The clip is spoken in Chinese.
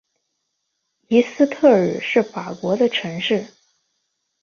伊斯特尔是法国的城市。